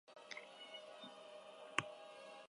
Madagaskarren bakarrik bizi dira hosto erorkorreko basoetan.